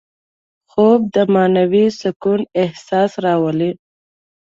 خوب د معنوي سکون احساس راولي